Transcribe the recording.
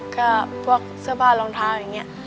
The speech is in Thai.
ก็พวกเสื้อผ้ารองเท้าอย่างนี้